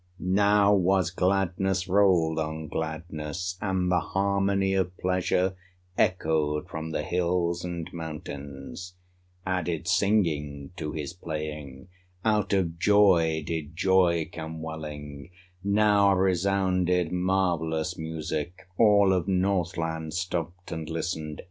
Now was gladness rolled on gladness, And the harmony of pleasure Echoed from the hills and mountains: Added singing to his playing, Out of joy did joy come welling, Now resounded marvelous music, All of Northland stopped and listened.